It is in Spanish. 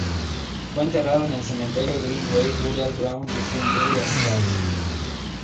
Fue enterrado en el Cementerio Green Way Burial Ground de Sunbury-On-Thames.